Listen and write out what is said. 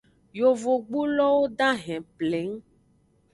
Yovogbulowo dahen pleng.